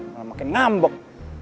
malah makin ngambek